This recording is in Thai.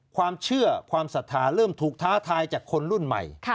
ความเชื่อความศรัทธาเริ่มถูกท้าทายจากคนรุ่นใหม่